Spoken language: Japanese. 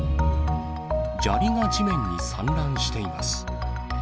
砂利が地面に散乱しています。